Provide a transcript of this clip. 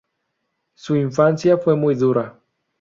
Su infancia fue muy dura.